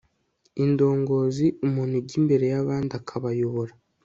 indongozi umuntu ujya imbere y'abandi akabayobora